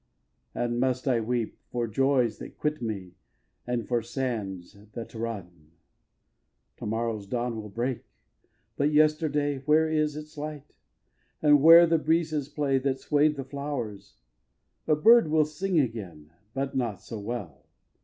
and must I weep For joys that quit me, and for sands that run? xvii. To morrow's dawn will break; but Yesterday, Where is its light? And where the breezes' play That sway'd the flowers? A bird will sing again, But not so well.